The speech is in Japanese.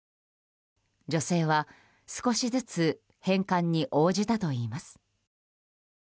女性は、少しずつ返還に応じたといいます。